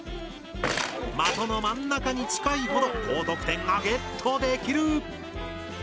的の真ん中に近いほど高得点がゲットできる！